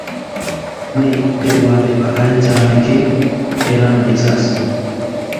مەی ئەگەر وا بێ بەهای جامێکی، ئێران و حیجاز